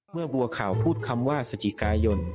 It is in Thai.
บัวขาวพูดคำว่าสจิกายน